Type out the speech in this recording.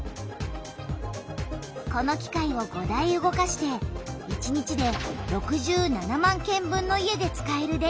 この機械を５台動かして１日で６７万軒分の家で使える電気をつくっている。